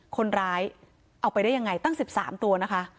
คนร้ายเอาไปได้ยังไงตั้ง๑๓ตัวนะคะ